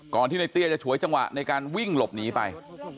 ที่ในเตี้ยจะฉวยจังหวะในการวิ่งหลบหนีไป